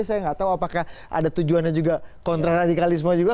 saya nggak tahu apakah ada tujuannya juga kontra radikalisme juga